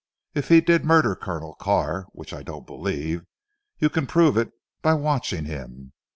If he did murder Colonel Carr, which I don't believe you can prove it by watching him.